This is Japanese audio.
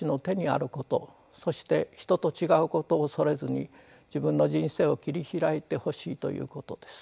そして人と違うことを恐れずに自分の人生を切り開いてほしいということです。